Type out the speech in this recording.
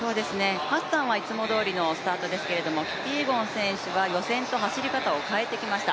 ハッサンはいつもどおりのスタートですけれどもキピエゴン選手は予選と走り方を変えてきました。